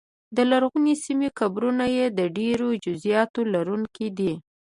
د لرغونې سیمې قبرونه یې د ډېرو جزییاتو لرونکي دي